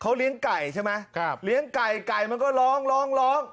เขาเลี้ยงไก่ใช่ไหมครับเลี้ยงไก่ไก่มันก็ร้องร้อง